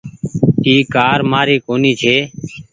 اي ڪآر مآري ڪونيٚ ڇي۔